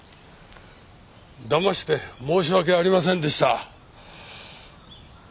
だまして申し訳ありませんでした。